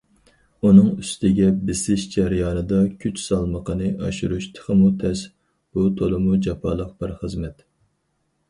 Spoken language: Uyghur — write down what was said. ئۇنىڭ ئۈستىگە بېسىش جەريانىدا، كۈچ سالمىقىنى ئاشۇرۇش تېخىمۇ تەس، بۇ تولىمۇ جاپالىق بىر خىزمەت.